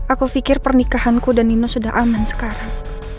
aku pikir pernikahanku dan nino sudah aman sekarang